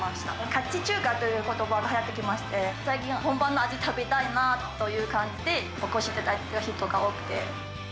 ガチ中華ということばがはやってきまして、最近は本場の味、食べたいなぁという感じで、お越しいただいてる人が多くて。